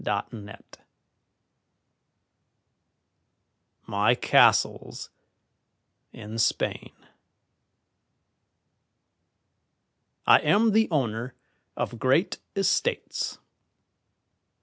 Lowell MY CASTLES IN SPAIN I am the owner of great estates.